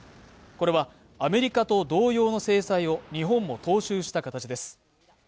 これはアメリカと同様の制裁を日本も踏襲した形です